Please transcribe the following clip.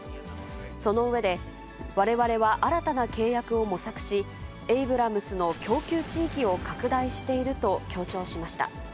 その上で、われわれは新たな契約を模索し、エイブラムスの供給地域を拡大していると強調しました。